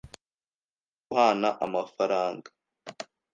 Ndashaka guhana amafaranga